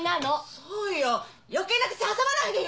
そうよ余計な口挟まないでよ！